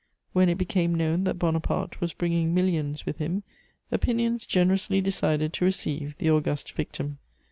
When it became known that Bonaparte was bringing millions with him, opinions generously decided to receive "the august victim."